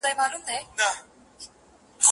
له رویباره مي پوښتمه محلونه د یارانو